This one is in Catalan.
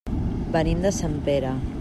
Venim de Sempere.